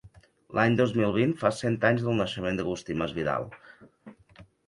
L'any dos mil vint fa cent anys del naixement d'Agustí Masvidal.